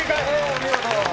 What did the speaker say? お見事。